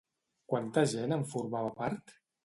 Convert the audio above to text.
Quanta gent en formava part?